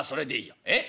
「えっ？」。